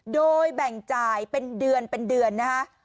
โดยแบ่งจ่ายเป็นเดือนเป็นเดือนนะคะ